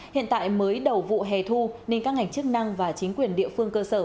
hiện tại mới đầu vụ hè thu nên các ngành chức năng và chính quyền địa phương cơ sở